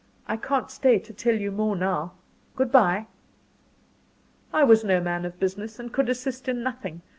I can't stay to tell you more now. Goodbye." I was no man of business, and could assist in nothing.